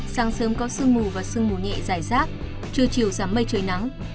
sáng sớm có sương mù và sương mù nhẹ dài rác trưa chiều giảm mây trời nắng